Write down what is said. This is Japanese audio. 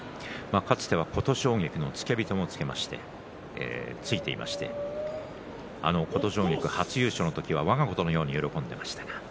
かつては琴奨菊の付け人も務めまして琴奨菊初優勝の時はわがことのように喜んでいました。